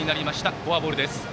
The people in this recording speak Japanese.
フォアボールです。